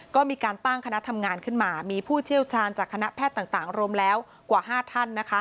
ก็มีการตั้งคณะทำงานขึ้นมามีผู้เชี่ยวชาญจากคณะแพทย์ต่างรวมแล้วกว่า๕ท่าน